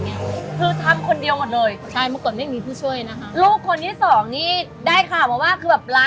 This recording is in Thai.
คือทำคนเดียวก่อนเลย